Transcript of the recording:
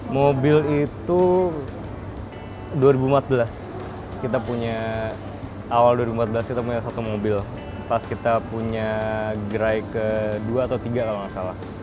mobil itu dua ribu empat belas kita punya awal dua ribu empat belas kita punya satu mobil pas kita punya gerai ke dua atau tiga kalau nggak salah